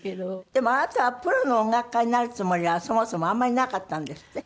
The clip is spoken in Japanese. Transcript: でもあなたはプロの音楽家になるつもりはそもそもあまりなかったんですって？